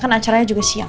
kan acaranya juga siang